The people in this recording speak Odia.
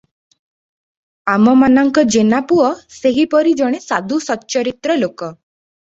ଆମମାନଙ୍କ ଜେନାପୁଅ ସେହିପରି ଜଣେ ସାଧୁ ସଚ୍ଚରିତ୍ର ଲୋକ ।